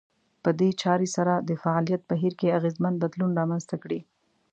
په دې چارې سره د فعاليت بهير کې اغېزمن بدلون رامنځته کړي.